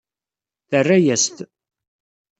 Terra-yas-t.